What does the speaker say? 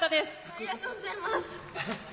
ありがとうございます。